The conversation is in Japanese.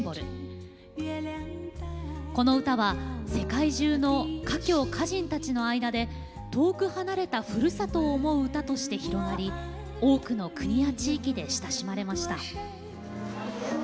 この歌は世界中の華僑・華人たちの間で遠く離れたふるさとを思う歌として広がり多くの国や地域で親しまれました。